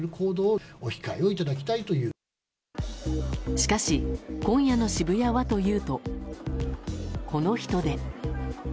しかし、今夜の渋谷はというとこの人出。